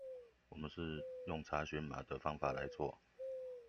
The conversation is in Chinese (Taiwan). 我們是用查詢碼的方法來做